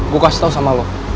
gue kasih tau sama lo